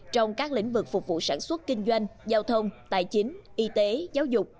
trong các lĩnh vực phục vụ sản xuất kinh doanh giao thông tài chính y tế giáo dục